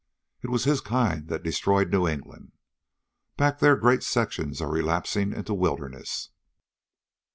It was his kind that destroyed New England. Back there great sections are relapsing to wilderness.